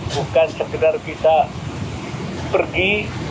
bukan sekedar kita pergi